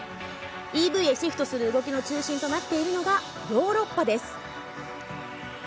ＥＶへシフトする動きの中心となっているのがヨーロッパです。